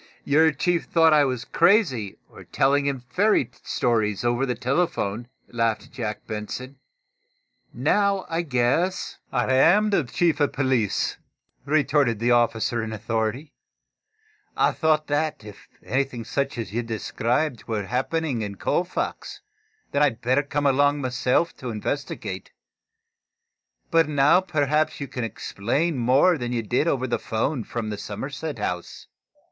"Your chief thought I was crazy, or telling him fairy stories over the telephone," laughed Captain Jack Benson. "Now, I guess " "I am the Chief of police," retorted the officer in authority. "I thought that, if anything such as you described were happening in Colfax, then I'd better come along myself to investigate. But now, perhaps you can explain more than you did over the 'phone from the Somerset House?"